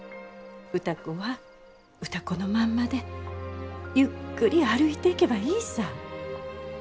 歌子は歌子のまんまでゆっくり歩いていけばいいさ。